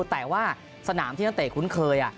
แต่ว่าสนามที่นักเตะคุ้นเคย